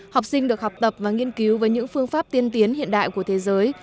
học sinh được học tập và nghiên cứu với những phương pháp tiên tiến hiện đại của thế giới